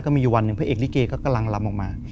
มีอยู่วันหนึ่งพระเอกลิเกก็กำลังลำออกมา